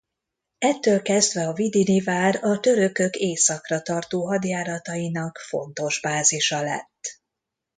Ettől kezdve a vidini vár a törökök északra tartó hadjáratainak fontos bázisa lett.